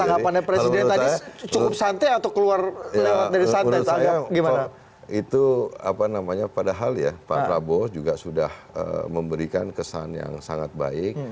kalau menurut saya itu apa namanya padahal ya pak prabowo juga sudah memberikan kesan yang sangat baik